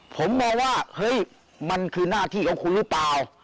ผมมองว่าเฮ้ยมันคือหน้าที่ของคุณหรือเปล่า